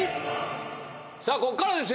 さあこっからですよ